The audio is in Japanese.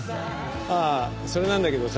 ああそれなんだけどさ。